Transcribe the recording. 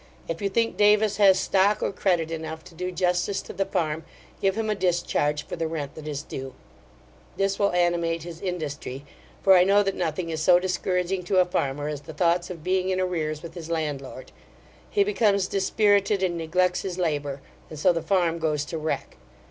If you think Davis has stock or credit enough to do justice to the farm, give him a discharge for the rent that is due, this will animate his industry; for I know that nothing is so discouraging to a farmer as the thoughts of being in arrears with his landlord. He becomes dispirited, and neglects his labour; and so the farm goes to wreck.